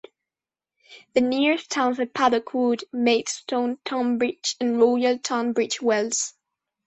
The nearest towns are Paddock Wood, Maidstone, Tonbridge and Royal Tunbridge Wells.